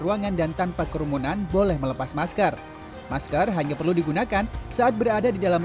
ruangan dan tanpa kerumunan boleh melepas masker masker hanya perlu digunakan saat berada di dalam